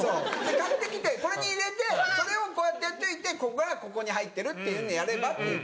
「買ってきてこれに入れてそれをこうやってやっておいてここはここに入ってるっていうのやれば？」って言って。